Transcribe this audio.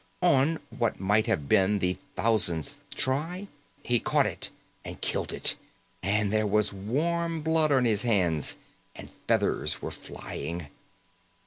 On what might have been the thousandth try, he caught it and killed it, and there was warm blood on his hands and feathers were flying.